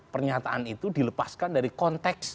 pernyataan itu dilepaskan dari konteks